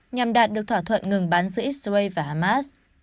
nhằm đạt được thỏa thuận ngừng bắn giữa israel và hamas